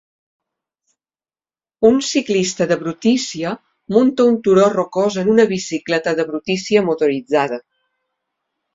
Un ciclista de brutícia munta un turó rocós en una bicicleta de brutícia motoritzada